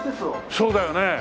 そうだよね。